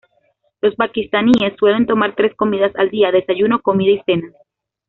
Los pakistaníes suelen tomar tres comidas al día: desayuno, comida y cena.